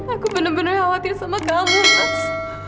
aku bener bener khawatir sama kamu mas